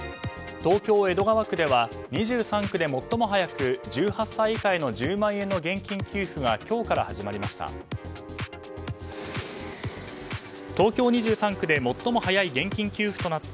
東京・江戸川区では２３区で最も早く１８歳以下への１０万円の現金給付が今日から始まりました。